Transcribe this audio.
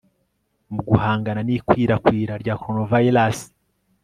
mu guhangana n'ikwirakwira rya coronavirus